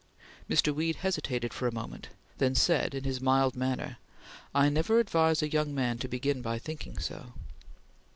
Mr. Weed hesitated for a moment; then said in his mild manner: "I never advise a young man to begin by thinking so."